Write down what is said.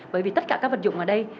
bởi vì tất cả các vật dụng ở đây